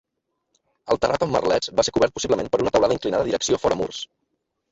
El terrat amb merlets va ser cobert possiblement per una teulada inclinada direcció fora murs.